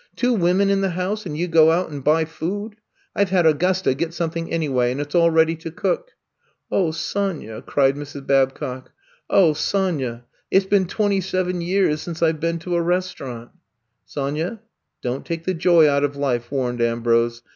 Two women in the house and you go out and buy food ! I Ve had Augusta get something anyway and it 's all ready to cook. '' *^0h, Sonya," cried Mrs. Babcock. 0h, Sonya, it 's been twenty seven years since I 've been to a restaurant!'' Sonya, don't take the joy out of life," warned Ambrose.